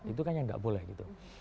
itu kan yang nggak boleh gitu